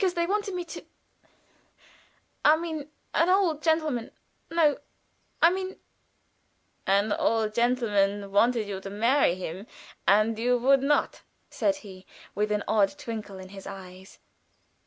"They wanted me to I mean, an old gentleman no, I mean " "An old gentleman wanted you to marry him, and you would not," said he, with an odd twinkle in his eyes.